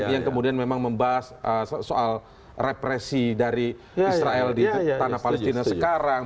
yang kemudian memang membahas soal represi dari israel di tanah palestina sekarang